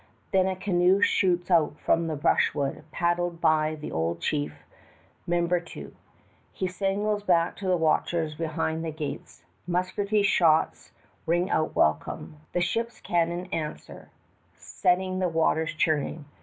Then a canoe shoots out from the brushwood, paddled by the old chief Membertou. He signals back to the watchers behind the gates. Musketry shots ring out welcome. The ship's cannon answer, setting the waters churning.